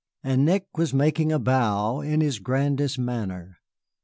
And Nick was making a bow in his grandest manner.